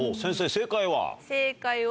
正解は。